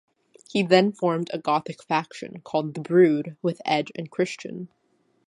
He then formed a gothic faction, called The Brood, with Edge and Christian.